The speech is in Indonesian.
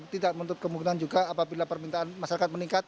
tidak menutup kemungkinan juga apabila permintaan masyarakat meningkat